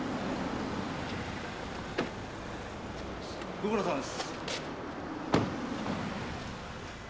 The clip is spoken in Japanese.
ご苦労さまです。